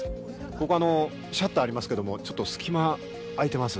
ここ、シャッターありますけれども、ちょっと隙間空いてます。